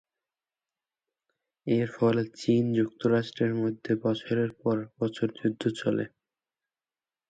এর ফলে চীন ও যুক্তরাষ্ট্রের মধ্যে বছরের পর বছর যুদ্ধ চলে।